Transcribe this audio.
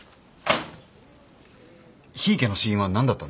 檜池の死因は何だったんですか？